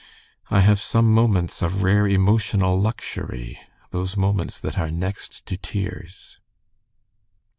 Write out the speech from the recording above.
I have some moments of rare emotional luxury, those moments that are next to tears.